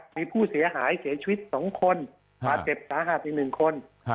มีผู้เสียหายเสียชีวิต๒คนป่าเจ็บต่างหากถึง๑คน